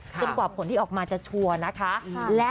กว่าผลที่ออกมาจะชัวร์นะคะ